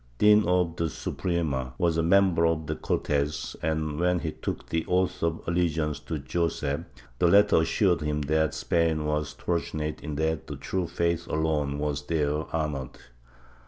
Dean of the Suprema, was a member of the Cortes and, when he took the oath of allegiance to Joseph, the latter assured him that Spain was fortunate in that the true faith alone was there honored.